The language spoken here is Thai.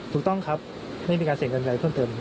ถูกต้องครับไม่มีการเสียเงินอะไรเพิ่มเติม